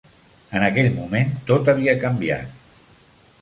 En aquell moment tot havia canviat.